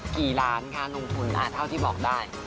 กี่ล้านคะลงทุนเท่าที่บอกได้